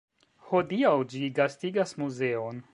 Hodiaŭ ĝi gastigas muzeon.